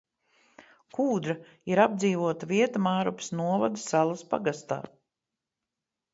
Kūdra ir apdzīvota vieta Mārupes novada Salas pagastā.